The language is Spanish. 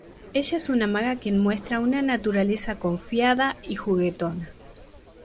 Ella es una maga quien muestra una naturaleza confiada y juguetona.